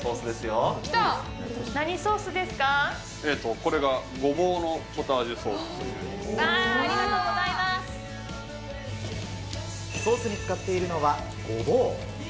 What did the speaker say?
これがごぼうのポタージュソあー、ソースに使っているのは、ごぼう。